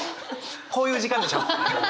こういう時間でしょ？